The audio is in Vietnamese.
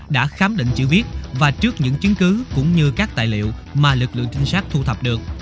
đã khám định chữ viết và trước những chứng cứ cũng như các tài liệu mà lực lượng trinh sát thu thập được